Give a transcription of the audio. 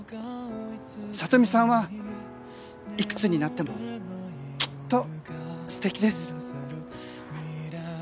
サトミさんは幾つになってもきっとすてきです。